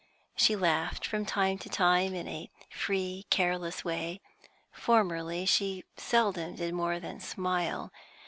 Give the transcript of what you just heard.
She laughed from time to time in a free, careless way; formerly she seldom did more than smile.